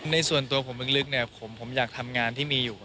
ในส่วนตัวผมลึกเนี่ยผมอยากทำงานที่มีอยู่